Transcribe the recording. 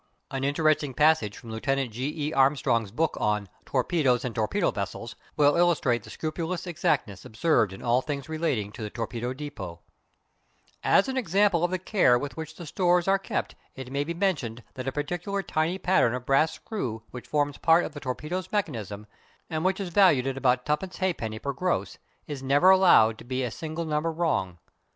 An interesting passage from Lieutenant G. E. Armstrong's book on "Torpedoes and Torpedo Vessels" will illustrate the scrupulous exactness observed in all things relating to the torpedo depôts: "As an example of the care with which the stores are kept it may be mentioned that a particular tiny pattern of brass screw which forms part of the torpedo's mechanism and which is valued at about twopence halfpenny per gross, is never allowed to be a single number wrong.